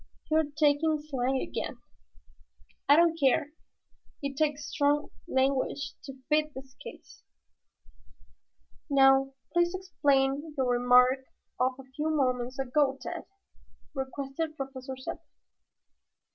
"You are talking slang again." "I don't care. It takes strong language to fit this case." "Now please explain your remark of a few moments ago, Tad," requested Professor Zepplin.